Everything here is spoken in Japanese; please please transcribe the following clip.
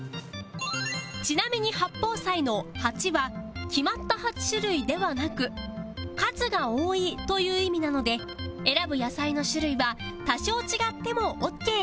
ちなみに八宝菜の「八」は決まった８種類ではなく「数が多い」という意味なので選ぶ野菜の種類は多少違ってもオーケー